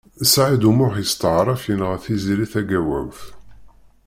Saɛid U Muḥ yesṭeɛref yenɣa Tiziri Tagawawt.